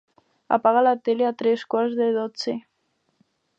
Apaga la tele a tres quarts de dotze.